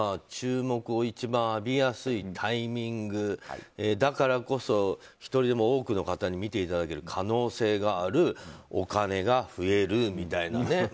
注目を一番浴びやすいタイミングだからこそ１人でも多くの方に見ていただける可能性があるお金が増えるみたいなね。